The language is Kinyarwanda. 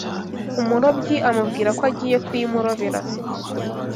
Umurobyi amubwira ko agiye kuyimurobera